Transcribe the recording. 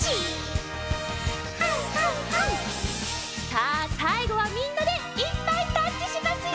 さあさいごはみんなでいっぱいタッチしますよ！